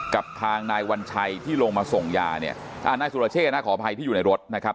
กับทางนายวัญชัยที่ลงมาส่งยาเนี่ยอ่านายสุรเชษนะขออภัยที่อยู่ในรถนะครับ